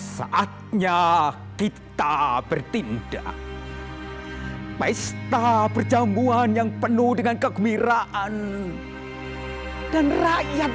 saatnya kita bertindak pesta perjamuan yang penuh dengan kegembiraan dan rakyat